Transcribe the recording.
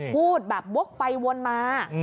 พูดแบบวกไปวนมา